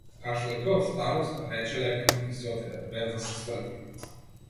Кашлајќи од старост, рече лека ноќ и си отиде, без да се сврти.